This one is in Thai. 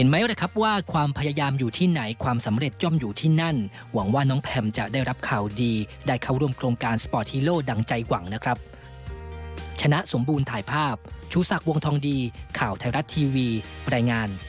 ให้มีการเชื่อนานที่เราเข้าสู่โครงการได้